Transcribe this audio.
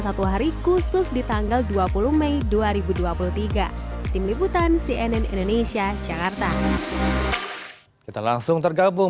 satu hari khusus di tanggal dua puluh mei dua ribu dua puluh tiga tim liputan cnn indonesia jakarta kita langsung tergabung